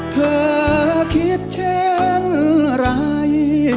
เธอคิดเช่นไร